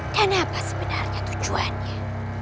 dan apa sebenarnya tujuannya